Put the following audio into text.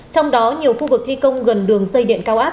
trong đó nhiều khu vực thi công gần đường dây điện cao áp